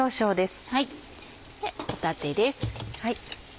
帆立です。